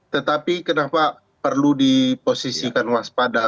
tetapi kenapa perlu diposisikan waspada